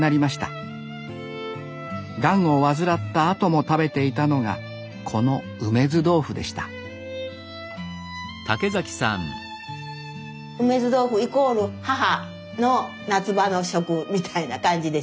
がんを患ったあとも食べていたのがこの梅酢豆腐でした梅酢豆腐イコール母の夏場の食みたいな感じでした。